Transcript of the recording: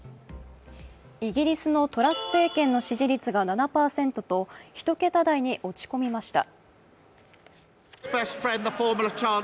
イギリスのトラス政権の支持率が７％と、１桁台に落ち込みました。